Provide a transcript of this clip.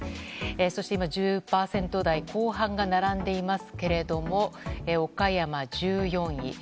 そして今１０％台後半が並んでいますけども岡山、１４位。